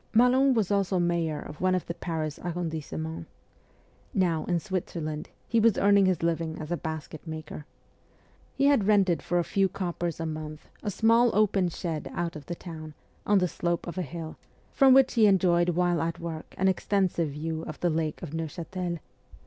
Malon was also mayor of one of the Paris arrondissements. Now, in Switzerland, he was earning his living as a basket maker. He had rented for a few coppers a month a small open shed out of the town, on the slope of a hill, from which he enjoyed while at work an extensive view of the Lake of Neuchatel.